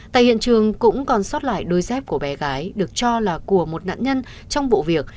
tại hiện trường cũng còn sót lại đôi dép của bé gái được cho là của một nạn nhân trong vụ việc